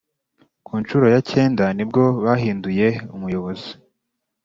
ku ncuro yakenda nibwo bahinduye umuyobozi.